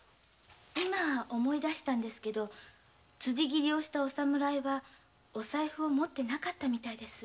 今思い出したんですけど辻斬りをしたお侍はお財布を持っていなかったみたいです。